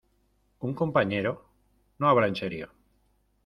¿ Un compañero? No habla en serio.